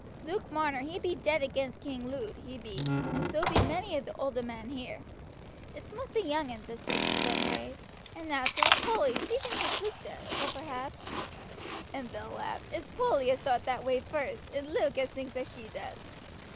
"Luke Marner he be dead against King Lud, he be, and so be many of the older men here; it's most the young uns as takes to them ways; and nateral, Polly she thinks as Luke does, or perhaps," and Bill laughed, "it's Polly as thowt that way first, and Luke as thinks as she does.